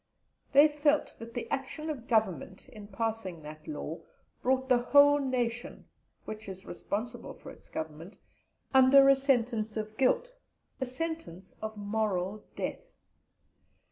They felt that the action of Government in passing that law brought the whole nation (which is responsible for its Government) under a sentence of guilt a sentence of moral death.